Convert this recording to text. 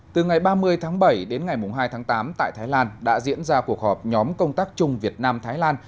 từ ngày ba mươi tháng bảy đến ngày hai tháng tám tại thái lan đã diễn ra cuộc họp nhóm công tác chung việt nam thái lan